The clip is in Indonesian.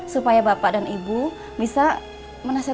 supaya bapak dan ibu bisa lihat dia di luar sana ya